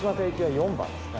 ４番ですね。